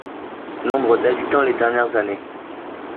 Nombres d'habitants les dernières années.